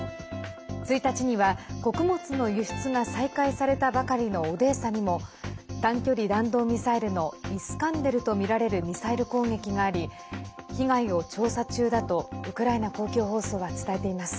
１日には穀物の輸出が再開されたばかりのオデーサにも短距離弾道ミサイルの「イスカンデル」とみられるミサイル攻撃があり被害を調査中だとウクライナ公共放送は伝えています。